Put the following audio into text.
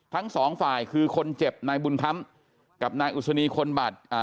ทั้งสองฝ่ายคือคนเจ็บนายบุญคำกับนายอุศนีคนบาดอ่า